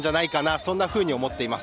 そんなふうに思っています。